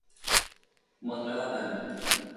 Manuela D'Ávila